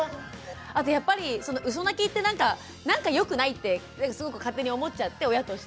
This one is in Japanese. あとやっぱりうそ泣きってなんかなんかよくないってすごく勝手に思っちゃって親として。